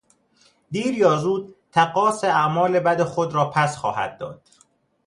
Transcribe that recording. دیر یا زود تقاص اعمال بد خود را پس خواهد داد.